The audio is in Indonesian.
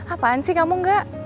apaan sih kamu enggak